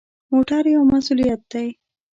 موټر یو مسؤلیت دی.